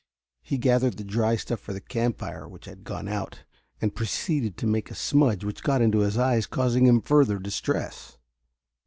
He gathered the dry stuff for the campfire, which had gone out, and proceeded to make a smudge which got into his eyes, causing him further distress.